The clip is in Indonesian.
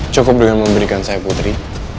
cukup dengan memberikan saya putri